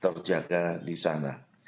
terjaga di sana